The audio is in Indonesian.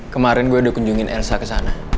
kemarin gue udah kunjungin elsa ke sana